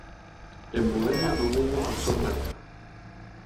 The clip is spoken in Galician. En Moaña non houbo factor marea.